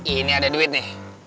ini ada duit nih